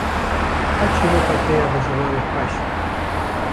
ka çîroka te ya bi zimanê xweş